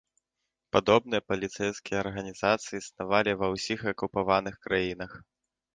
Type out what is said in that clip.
Падобныя паліцэйскія арганізацыі існавалі ва ўсіх акупаваных краінах.